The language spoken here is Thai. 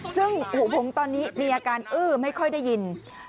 ซึ่งหูผมตอนนี้มีอาการอื้อไม่ค่อยได้ยิน